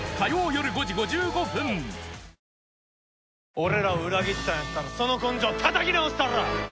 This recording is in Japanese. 俺らを裏切ったんやったらその根性叩き直したるわ！